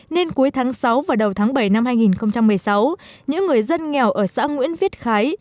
nên cuối tháng sáu và đầu tháng bảy năm hai nghìn một mươi sáu những người dân nghèo ở xã nguyễn viết khái